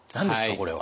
これは。